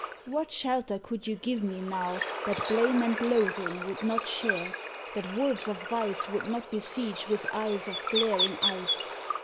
What shelter could you give me, now, that blame And loathing would not share? that wolves of vice Would not besiege with eyes of glaring ice?